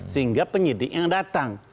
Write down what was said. sehingga penyidik yang datang